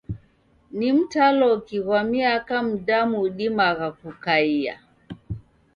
Ni mtaloki ghwa miaka mdamu udimagha kukaia?